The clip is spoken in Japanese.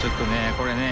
これね